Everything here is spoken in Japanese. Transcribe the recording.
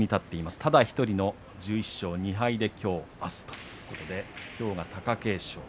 ただ１人の１１勝２敗ということできょうが貴景勝。